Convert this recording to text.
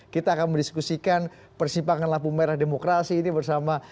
kita akan mendiskusikan persimpangan lampu merah demokrasi ini bersama